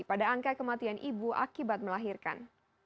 pada angka kematian ibu akibat melahirkan